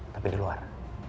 tapi di luar